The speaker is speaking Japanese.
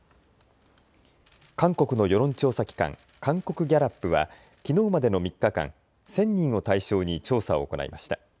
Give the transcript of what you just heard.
韓国の世論調査機関、韓国ギャラップはきのうまでの３日間、１０００人を対象に調査を行いました。